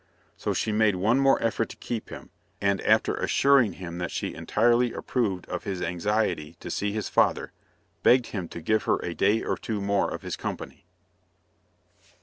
So she made one more effort to keep him, and after assuring him that she entirely approved of his anxiety to see his father, begged him to give her a day or two more of his company.